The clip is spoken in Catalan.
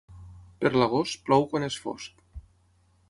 Per l'agost, plou quan és fosc.